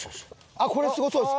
あっこれすごそうです。